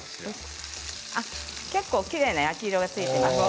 結構きれいな焼き色がついていますね。